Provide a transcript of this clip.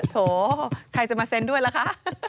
โถใครจะมาเซ็นด้วยล่ะคะ